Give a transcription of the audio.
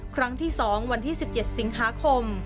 ครั้งที่๒วันที่๑๗สิงหาคม